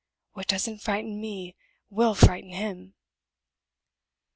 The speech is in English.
"What doesn't frighten me will frighten him!"